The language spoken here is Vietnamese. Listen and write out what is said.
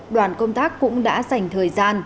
đoàn công tác cũng đã dành thời gian